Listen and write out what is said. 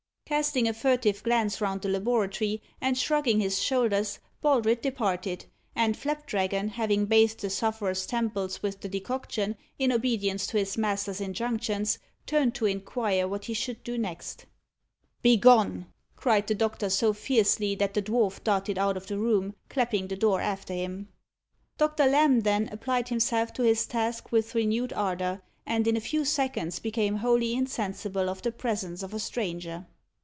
Casting a furtive glance round the laboratory, and shrugging his shoulders, Baldred departed; and Flapdragon having bathed the sufferer's temples with the decoction, in obedience to his master's injunctions, turned to inquire what he should do next. "Begone!" cried the doctor, so fiercely that the dwarf darted out of the room, clapping the door after him. Doctor Lamb then applied himself to his task with renewed ardour, and in a few seconds became wholly insensible of the presence of a stranger.